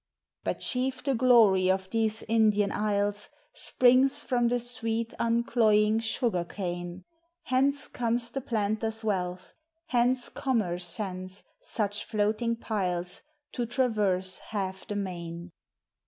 But chief the glory of these Indian isles Springs from the sweet, uncloying sugar cane; Hence comes the planter's wealth, hence commerce sends Such floating piles, to traverse half the main.